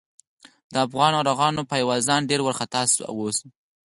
د افغان ناروغانو پايوازان ډېر وارخطا اوسي.